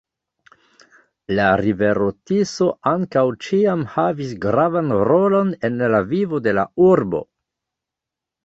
La rivero Tiso ankaŭ ĉiam havis gravan rolon en la vivo de la urbo.